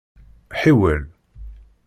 Ḥiwel.